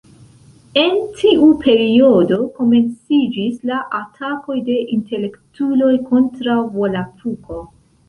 En tiu periodo, komenciĝis la atakoj de intelektuloj kontraŭ Volapuko.